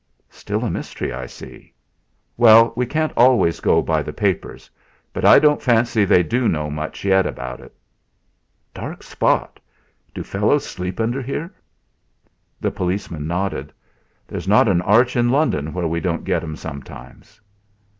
"Still a mystery, I see?" "Well, we can't always go by the papers. But I don't fancy they do know much about it, yet." "Dark spot. Do fellows sleep under here?" The policeman nodded. "There's not an arch in London where we don't get '.m sometimes."